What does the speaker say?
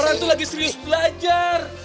orang itu lagi serius belajar